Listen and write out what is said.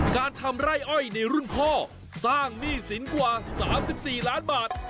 การทำไร่อ้อยในรุ่นพ่อสร้างหนี้สินกว่า๓๔ล้านบาท